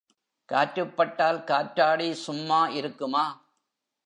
காற்றுப்பட்டால் காற்றாடி சும்மா இருக்குமா?